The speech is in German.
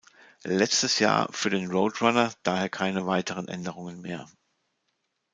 Letztes Jahr für den Road Runner, daher keine weiteren Änderungen mehr.